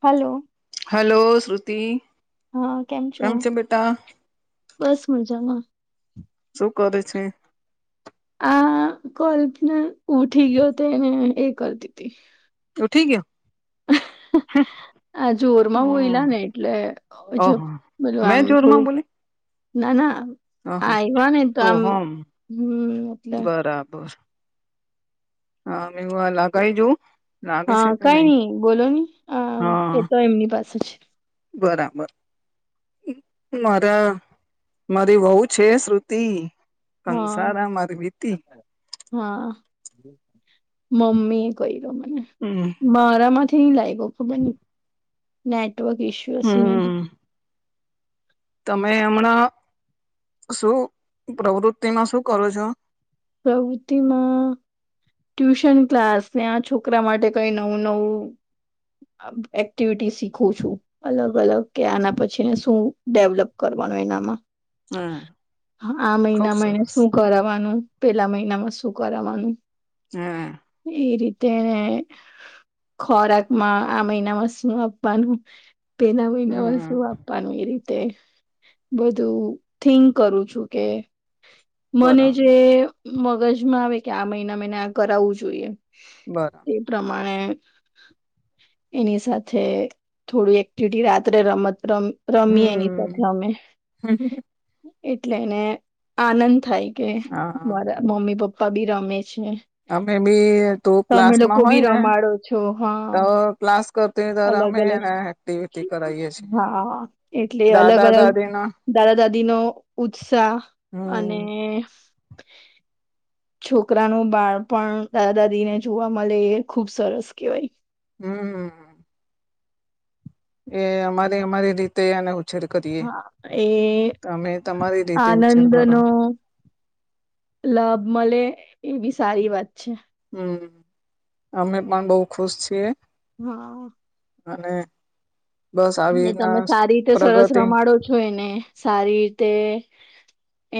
Hello hello Shruti હા કેમ છો? છે બેટા બસ મજામાં. શું કરે છે, આ કલ્પને ઉઠી ગયો તો એને એ કરી [unintelligible] ઉઠી ગયો, [unintelligible] આ જોર માં હમ હોયલા ને એટલે ઓહ [unintelligible] પેલું આમ મેં જોરમાં થોડું બોલી ના ના હ આવવાને તો આમ સોહમ હમ્મ એટલે [unintelligible] હા હવે આ લગાઈ જોવું. લાગે છે હા કે કઈ નહી નઈ બોલો ને હા એ તો એમની પાસે છે બરાબર મારા મારી વહુ છે, શ્રુતિ હા કંસારા મારી વીતી હા મમ્મી એ કઈ રહ્યો મને હમ્મ મારામાંથી નઈ લાઈકો ઓ ખબર નય નેટવર્ક ઇસ્યુ હશે મે બી હમ્મ તમે હમણાં શું પ્રવૃતિમાં શું કરો છો? પ્રવૃતિમાં ટ્યુશન ક્લાસ, ને આ છોકરા માટે કઈ નવું નવું એક્ટિવિટી શીખું છું. અલગ અલગ કે આના પછીને શું ડેવલપ કરવાનું એનામાં હમ આ ખુબ મહિનામા એને સરસ શું કરાવાનું. પેલા મહિનામાં શું કરાવા નું, હા હા ઈ રીતે ખોરાકમાં આ મહિનામાં શું આપવાનું પેલા મહિનામાં હમ શું આપવાનું એ રીતે તે બધું થિંક કરું છું કે મને બરાબર જે મગજમાં આવે કે આ મહિના એને આ કરાવવું જોઈએ, બરાબર પ્રમાણે એની સાથે થોડું એક્ટિવિટી રાત્રે રમત રમ રમીએ એની હમ સાથે અમે હમ એટલે એને આનંદ થાય કે હા. મારા મમ્મી પપ્પા બી રમે છે. અમે બી તું તમે લોકો ક્લાસમાં હોય બી ને રમાડો છો હા. તો ક્લાસ કરતી ત્યારે અલગ અમે અલગ એને એક્ટિવિટી કરાઈએ છીએ હાહ એટલે અલગ દાદા અલગ દાદી ના દાદા દાદી નો ઉત્સાહ અને હમ [inaudible] છોકરાનું બાળપણ દાદા દાદીને જોવા મળે એ ખુબ સરસ કહેવાય. હમ્મ એ અમારી અમારી રીતે એને ઉછેર કરીએ હા એ તમે તમારી રીતે ઉછેર આનંદ કરો નો લાભ મળે એ બી સારી વાત છે. હમ્મ અમે પણ બઉ ખુશ છીએ. હા. અને બસ આવી ને રીતના તમે સારી રીતે સરસ પ્રગતિ રમાડો છો એને. સારી રીતે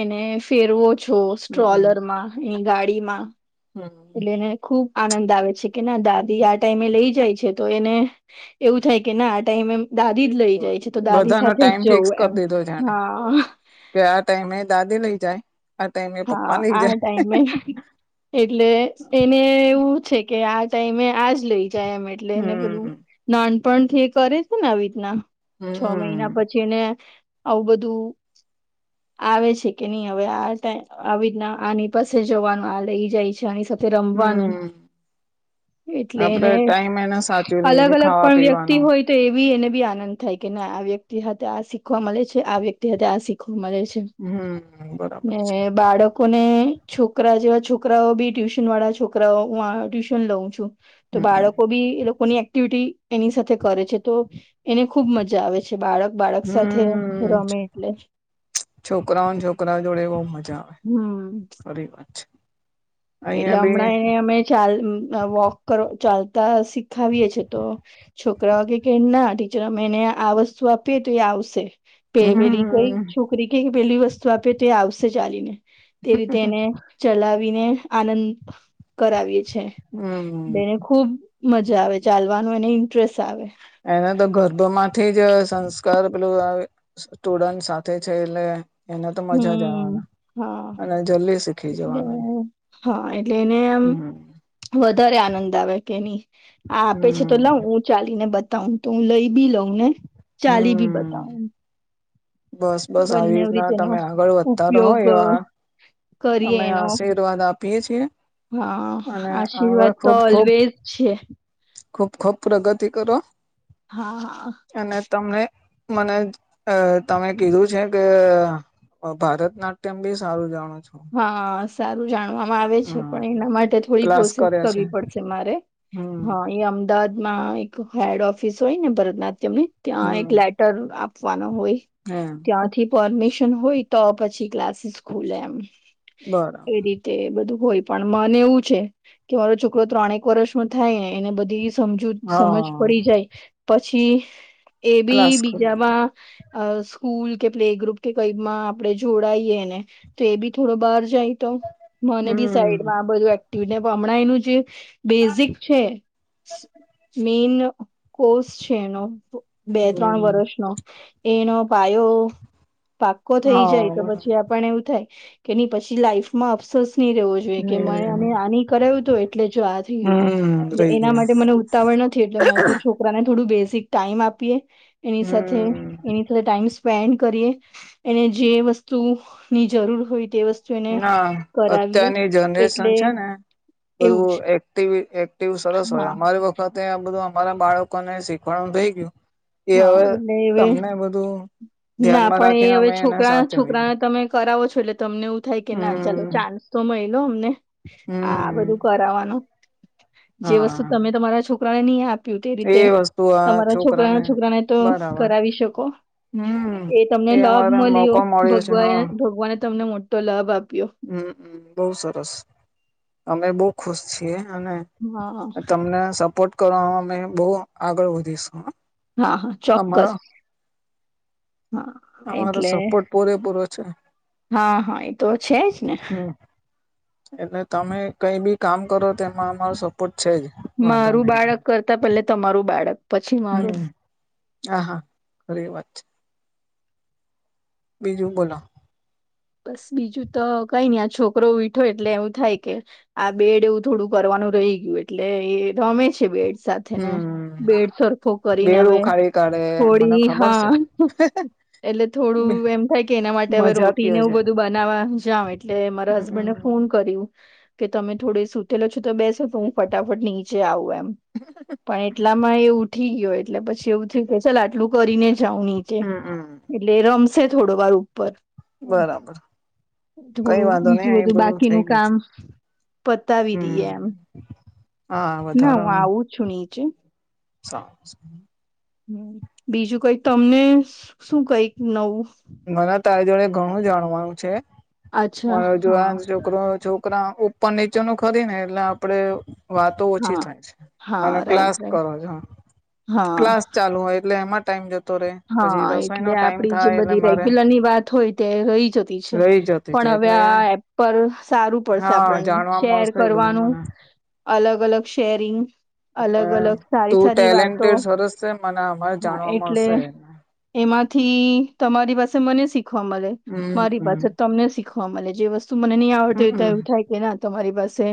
એને ફેરવો છો હમ સ્ટ્રોલરમાં એ ગાડીમાં હમ એટલે એને ખુબ આનંદ આવે છે કે ના દાદી આ ટાઈમે લઈ જાય છે તો એને એવું થાય કે ના આ ટાઈમ એમ દાદી જ લઈ જાય છે. તો દાદી બધાનો સાથે જ ટાઈમ ફિક્સ જવું એમ કરી દીધો જાણે હઅ કે આ ટાઈમે દાદી લઈ જાય. આ ટાઈમે હઅ પપ્પા લઈ આ જાય ટાઈમે એટલે એને એવું છે કે આ ટાઈમે આજ લઈ જાય એમે એટલે એને પેલું હમ નાનપણથી એ કરે છે ને આવી રીતના છ હમ મહિના પછી જેને આવું બધું આવે છે કે નહી હવે આ ટા આવી રીતના આની પાસે જવાનું આ લઈ જાય છે આની સાથે રમવાનું હમ એટલે આપડે એને ટાઈમ એને સાચવી લઈએ અલગ છીએ અલગ ખાવા પણ પીવાનો વ્યક્તિ હોય તો એવી એને બી આનંદ થાય કે ના આ વ્યક્તિ આ શીખવા મલે છે આ વ્યક્તિ આ શીખવા મળે છે. હમ્મ બરોબર ને છે બાળકોને છોકરા જેવા છોકરાઓ બી ટ્યુશન વાળા છોકરાઓ હું આ ટ્યુશન લઉં છું. તો હમ બાળકો બી એ લોકોની એક્ટિવિટી એની સાથે કરે છે તો એને ખુબ મજા આવે બાળક બાળક સાથે હમ રમે એટલે છોકરાઓને છોકરાઓ જોડે બહુ મજા હમ્મ ખરી વાત છે. એટલે અહિયાં બી હમણાં એ અમે ચાલ ન વોક ચાલતા શીખાવીએ છીએ તો છોકરા કહે કે ના ટીચર અમે એને આ વસ્તુ આપીએ તો એ આવશે. પે વેલી ગઈ જ હમ છું. એકે પેલી વસ્તુ આપે તો આવશે ચાલીને તે રીતે એને ચલાવીને આનંદ કરાવીએ છે હમ બેને ખુબ મજા આવે ચાલવાનું એને ઇન્ટરેસ્ટ આવે એને તો ગર્ભમાંથી જ સંસ્કાર પેલુંઅ સ્ટુડન્ટ સાથે છે એટલે એને તો મજા જ હમ આવવાની હા અને જલ્દી શીખી એટલે જવાનું હા એટલે એને એમ હમ વધારે આનંદ આવે કે નહી આ આપે છે તો હમ લાઉ ચાલી ને બતાવ તો હું લઈ બી લઉં ને ચાલી બી હમ બતાઉ બસ બસ આવી રીતના તમે આગળ વધતા રહો ઉપયોગ એવા [inaudible] અમે એનો આશીર્વાદ આપીએ છીએ. હા અને આગળ આશીર્વાદ તો ખૂબ ખૂબ ઓલ્વેજ છે. ખૂબ ખૂબ પ્રગતિ કરો. હા હા. અને તમને મને અ તમે કીધું છે કે. ભારત નાટ્યમ બી સારું જાણો છો હા સારું જાણવામાં આવે છે હમ પણ એના માટે થોડી ક્લાસ પ્રોસેસ કર્યા છે કરવી પડશે મારે. હમ હા એ અમદાવાદમાં એક હેડ ઓફિસ હોય ને ભરતનાટ્યમ ની ત્યાં એક હમ લેટર આપવાનો હોય એમ ત્યાંથી પરમિશન હોય તો પછી ક્લાસીસ ખુલે એમ બરાબર એ રી તે બધું હોય પણ મને એવું છે કે મારો છોકરો ત્રણેક વર્ષ નો થાય ને એને બધી. સમજુ સમજ હા પડી જાય પછી એ ક્લાસ બી કરવા બીજામાં અ સ્કૂલ કે પ્લે ગ્રુપ કે કઈમાં આપણે જોડાઈએ ને તો એ બી. થોડો બહાર જાય તો મને બી હમ સાઈડમાં આ બધું ને હમણાં એનું જે બેઝિક છે. મેન કોર્સ છે નો. બે ત્રણ હમ વર્ષનો એનો પાયો પાક્કો થઈ જાય હા તો બરાબર પછી. પણ એવું થાય કે એની પછી લાઈફ માં અફસોસ નહી રહ્યો. જો કે માય આની કરાવું તો એટલે જો આ થયું. હમ રહી એના ગયા માટે મને ઉતાવળ નથી એટલે મે પૂછું. છોકરાને થોડું બેઝિક ટાઈમ આપીએ એની સાથે હમ એની ટાઈમ સ્પેન્ડ કરીએ એને જે વસ્તુની જરૂર હોય તે વસ્તુ. એને ના કરાવીએ અત્યારની એટલે જનરેશન છે ને. એવું જ બધું એક્ટિવ એક્ટિવ સરસ હા હોય અમારી વત. વખતે આ બધું અમારા બાળકો ને શીખવાનું ર‌ઇ ગયું. એ હા હવે એટલે હવે તમને બધું ના ધ્યાનમાં પણ એ રાખીને હવે અમે એને છોકરા સાચવીએ. છોકરાને તમે કરાવો છો એટલે તમને એવું થાય કે ના ચાલો હમ ચાન્સ તો મળી લો અમને આ હમ બધું. કરવાનું જે વસ્તુ હા તમે તમારા છોકરાને નહી આપ તે એ રીતે વસ્તુ આ તમારા છોકરાના છોકરાને તો બરાબર કરાવી શકો. હમ એ તમને લાભ અમારે મળ્યો મોકો છે ભગવા હા ભગવાને તમને મોટો લાભ આપ્યો. હમમ બહુ સરસ અમે બહુ ખુશ છીએ અને હા તમને સપોર્ટ કરવામાં અમે બહુ આગળ વધીશું. હા હા ચોક્કસ. અમારો હા અમારો એટલે સપોર્ટ પૂરેપૂરો છે હા હા એ તો છે જ. ને હમ એટલે તમે કઈ બી કામ કરો તેમા અમારો સપોર્ટ છે જ. વાંધો મારું નહી બાળક કરતા પેલે તમારું બાળક પછી મારું હમ હ હા ઘરી એ વાત છે. બીજું બોલો. બસ બીજું તો કઈ નઈ આ છોકરો ઉઇઠો એટલે એવું થાય કે. આ બેડ એવું થોડું કરવાનું રહી ગયું એટલે એ રમે છે બેડ. સાથેને હમ બેડ સરખો કરીને બેડ હવે ઉખાડી કાઢે મને થોડી ખબર છે હા. એટલે થોડું એમ થાય કે એના માટે હવે મજા રોટ. પી ને કયો એવું છે બધું બનાવવા જઉ એટલે મારા હસબન્ડને હમમ ફોન ફોન કરીયુ કે તમે થોડે સુતેલો છો તો બેસો તો હું ફટાફટ નીચે આવું એમ. પણ એટલામાં એ ઉઠી ગયો એટલે પછી એવું થીયુ કે ચલ આટલું કરીને જાઉ ની. હમમ એટલે રમશે થોડો વાર ઉપર. બરાબર. કઈ થોડું વાંધો નહી બીજું એ બધું થઈ બાકીનું ગયું છે કામ. પતાવી દઈએ હમ આમ હા ના હું આવું છું નીચે. હ બીજું કઈ તમને શું કઈક નવું. મને તારે જોડે ઘણું જાણવાનું છે અચ્છા પર જો આ. હા છોકરો છોકરા ઉપર નીચેનું ખરી ને એટલે આપડે વાતો ઓછી હા થાય છે હા અને ક્લાસ રાઈટ રાઈટ કરો છો હ. હા ક્લાસ ચાલુ હોય એટલે એમાં ટાઈમ જતો રહેે પછી રસોઈ નો ટાઈમ થાય એટલે મારે રેગ્યુલર ની વાત હોય તે રહી જતી છે રહી જતી છે પણ હવે એટલે આ એપ પર સારું પડશે હા આપણને જાણવા શેર મળશે એ બધું કરવાનું મને અલગ અલગ શેરિંગ અલગ અને અલગ સારી તું સારી વાતો ટેલેન્ટેડ સરસ છે મને અમારે હા જાણવા એટલે મળશે એમાંથી તમારી પાસે મને શીખવા મળે હમ મારી પાસે તમને શીખ હ મને જે વસ્તુ મને નહી આવડતી હોય તો હમમ એવું થાય કે ના તમારી પાસે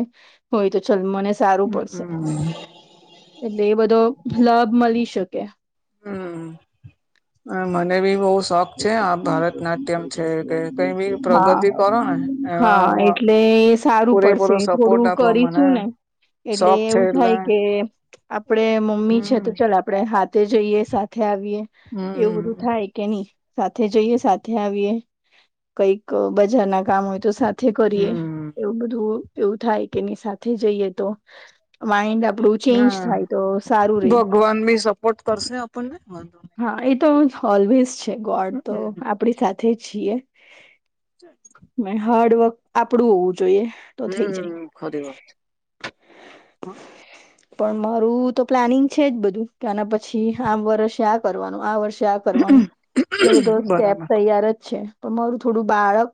હોય તો ચાલ મને સારું પડશે હમમ હમ એટલે એ બધો લાભ મળી શકે હમ હ મને બી બહ સારું છે આ ભરત નાટ્યમ છે કે કઈ બી પ્રગતિ હા કરો ને એમાં હા હું એટલે એ સારું પડશે પૂરેપૂરા સપોર્ટ થોડું આપ આપવા મને કરીશું ને એટલે શોખ છે એવું એટલે થાય કે આપે મમ્મી છે હમ તો ચાલ આપડે હાથે જઈએ સાથે આવીએ એવું બધું હમ થાય કે નહી સાથે જઈએ સાથે આવીએ કઈક બજાર ના કામ હોય તો સાથે કરીએ હમ એવું બધું એવું થાય કે એની સાથે જઈએ તો માઈન્ડ આપણું ચેન્જ ના થાય તો સારું રે ભગવાન બી સપોર્ટ કરશે આપણને વાંધો હા એ તો ઓલવેઝ છે ગોડ તો નહી આપડી સાથે છીએ ચ મે હાર્ડ વર્ક આપડું હોવું જોઈએ તો થઈ જાય હમ ખરીબ છે હ પણ મારું તો પ્લાનિંગ છે જ બધું કે આના પછી આમ વર્ષે આ કરવાનું આ વર્ષે આ કરવાનું એ બધો સ્ટેપ બરાબર તૈયાર જ છે પણ મારું થોડું બાળક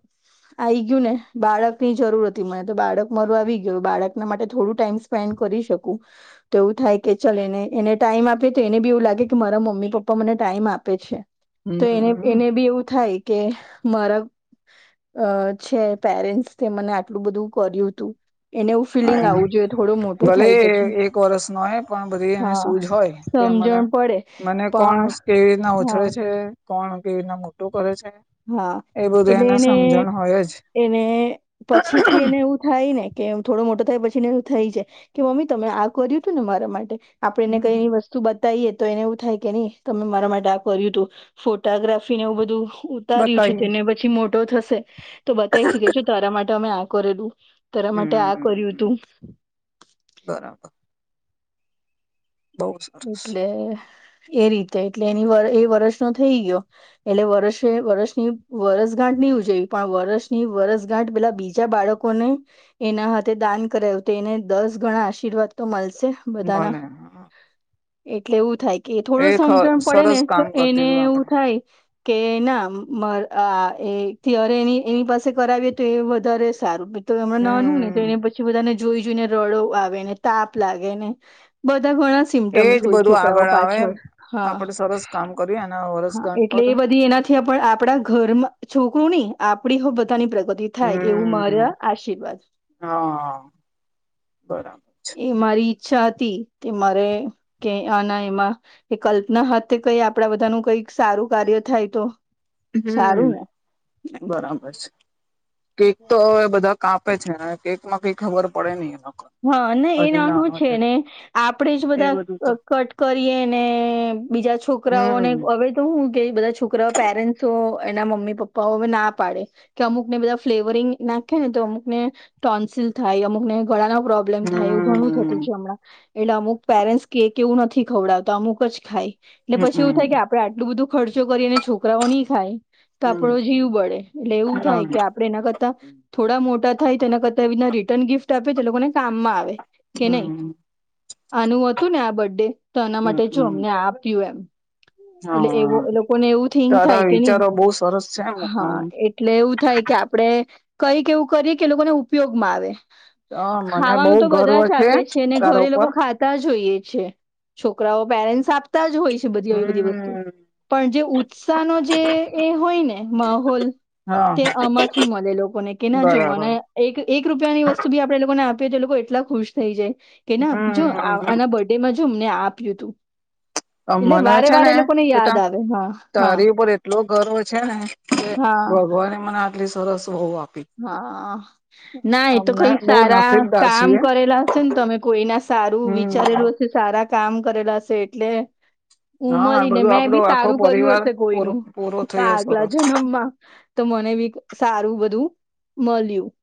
આવી ગયું ને બાળક ની જરૂર હતી મને તો બાળક મરું આવી ગયું બાળકના માટે થોડું ટાઈમ સ્પેન્ડ કરી શકું તો એવું થાય કે ચાલ એને એને ટાઈમ આપે તો એને બી એવું લાગે કે મારા મમ્મી પપ્પા મને ટાઈમ આપે છે તો એને હમ એને બી એવું થાય કે મારા અ છે પેરેન્ટ્સ તે મને આટલું બધું કર્યું હતું એને એવું ફિલિંગ આવવું જોઈએ થોડો મોટો ભલે થાય પછી એક વરષ નો હોય પણ બધી એને હા શું જ હોય કે મને સમજણ પડે મને કોણ પણ કેવી રીતના હા ઉછરેે છે કોણ કે એના મોટું કરે છે હા એ બધું એટલે એને સમજણ હોય જ એને પછી થી એનેું થાય ને કે થોડો મોટો થાય પછી ને એું થઈ છે કે મમ્મી તમે આ કર્યું હતું ને મારા માટે આપણે ને કઈની વસ્તુ તું બતાવીએ તો એને એવું થાય કે નહી તમે મારા માટે આ કર્યું હતું ફોટોગ્રાફીને એવું બધું ઉતાર્યું છે બતાવીએ તેને પછી મોટો થશે તો બતાવી શકે છે તારા માટે અમે આ કરેલું તરા માટે આ કર્યું હમ તું બરાબર બહુ સરસ એટલે એ રીતે એટલે એની એ વર્ષનોો થઈ ગયો એટલે વરષે વરષની વરસગાંઠ નહી ઉજવવી પણ વરષની વરસગાંઠ પેલા બીજા બાળકો લોકોને એના હાથે દાન કરાય તો એને દસ ગણા આશીર્વાદ તો મળશે બધાના બલે એટલે એવું થાય કે એ થોડું ખ સમજણ પડે ને સરસ તો કામ કરી એને દીધું એવું આપણે થાય કે ના એરે એની એની પાસે કરાવીએ તો એ વધારે સારું તો હમણાં નાનું ને હમ તો એને પછી બધાને જોઈ જોઈને રડો આવે ને તાપ લાગે ને બધા ઘણા એજ હોય બધું છોકરાઓ આગળ આવે પાછળ હા આપડે સરસ કામ કર્યું એના હા વરસગાંઠ એટલે પર એ બધી એનાથી પણ આપણા ઘરમાં છોકરું ની આપડી બધાની પ્રગતિ થાય એવું હમ મારા આશીર્વાદ હા બરાબર એ મારી ઈચ્છા હતી કે મારે કે આના એમાં એ કલ્પના હ કઈ આપણા બધાનું કઈક સારું કાર્ય થાય તો હમ સારું ને એમ. બરાબર છે કેક તો હવે બધા કાપે છે કેક માં કઈ ખબર પડે નહી એમાં હા ના એ નાનું છે ને આપણેે જ એ બધા બધું તો કટ કરીએ ને બીજા છોકરાઓને હમ હવે તો હું કે બધા છોકરાઓ પેરેન્ટ્સો એના મમ્મી પપ્પાઓ હવે ના પાડે કે અમુક ને બધા ફ્લેવરિંગ નાખે ને તો અમુક ને ટોન્સિલ થાય અમુકને ગળાના પ્રબ્લેમ થાય એવું ઘણું હમ થતું છે હમણાં એટલે અમુક પેરેન્ટ્સ કે કે એવું નથી ખવડાવતા અમુક જ ખાય એટલે પછી એવું હમમ થાય કે આપડે આટલું બધું ખર્ચો કરી અને છોકરાઓ નહી ખાય તો હમ આપડો જીવું પડે એટલે એવું થાય કે ના આપણે એના કરતાં થોડા મોટા થાય તો એના કરતાં એીના રિટર્ન ગિફ્ટ આપે તે લોકોને કામમાં આવે કે નહી હમ આનું હતું ને આ બર્ ડે તો એના માટે જોું હમ અમને આપ્યું એમ એટલે એવો હા એ લોકોને એવું થિંગ થાય તારા કે નહી વિચારો બહુ સરસ છે આમ હા એટલે એવું થાય કે આપડે કઈક એવું કરીએ કે લોકોને ઉપયોગ માં આવે હા મને બહુ ખાવાનું તો ગર્વ બધા જ આપે છે ને તારો ઘરે લોકો પર ખા આપ હોઈએ છ છે છોકરાઓ પેરેન્ટસ આપતા જ હોય બધી એવી બધી વસ્તુ પણ જે ઉત્સાહનો જે એ હોય ને માહોલ હા તે આમાંથી મળે લોકોને કે ના જો બરાબર મને એક એક રૂપિયાની વસ્તુ બી આપણે લોકોને આપીએ તો એ લોકો એટલા ખુશ થઈ જાય કે ના જો આના બ જું અમને આપ્યું તું એટલે મને વારે છે ને વારે લોકોને યાદ બેટા આવે હા હા તારી ઉપર એટલો ગર્વ છે ને કે હા ભગવાને મને આટલી સરસ વહુ આપી હા ના એ તો અમને કઈ બહુ સારા નસીબદાર કામ છીએ કરેલા છે ને તમે કોઈના સારું હમ વિચારેલું સારા કામ કરેલા હશે એટલે હું હા મળીને બધું મેં આપડો બી આખો સારું કર્યું પરિવાર હશે પૂરો કોઈનું પૂરો તો થયો આગલા સરસ જન્મમાં તો મને બી સારું બધું મળ્યું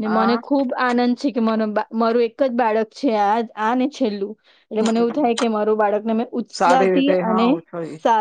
ને મને હા ખુબ આનંદ છે કે મારું એક જ બાળક છે આ આ ને છેલ્લું એટલે મને એવું થાય કે મારું બાળકને અ સારી રીતે ઉત્સાહથી હા અને ઉછળી સા